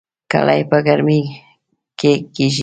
ګلۍ په ګرمۍ کې کيږي